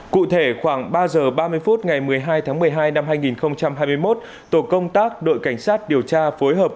cụ thể khoảng ba giờ ba mươi phút ngày một mươi hai tháng một mươi hai năm hai nghìn hai mươi một tổ công tác đội cảnh sát điều tra phối hợp